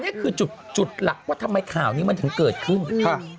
นี่คือจุดหลักว่าทำไมข่าวนี้มันถึงเกิดขึ้นค่ะ